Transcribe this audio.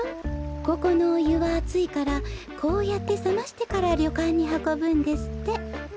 ここのおゆはあついからこうやってさましてからりょかんにはこぶんですって。